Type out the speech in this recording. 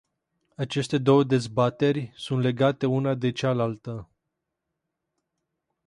Aceste două dezbateri sunt legate una de cealaltă.